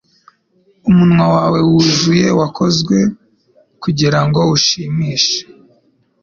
Umunwa wawe wuzuye wakozwe kugirango ushimishe